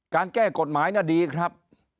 การแก้กฎหมายน่าดีครับ